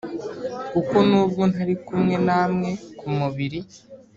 Kuko nubwo ntari kumwe namwe ku mubiri